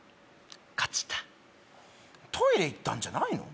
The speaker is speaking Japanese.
買っちったトイレ行ったんじゃないの？